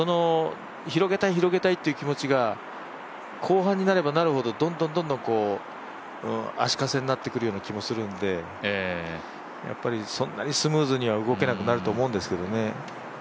広げたい広げたいという気持ちが後半になればなるほど、どんどん足かせになってくる気もするんでやっぱり、そんなにスムーズには動けなくなると思うんですけどね。